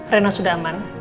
rena sudah aman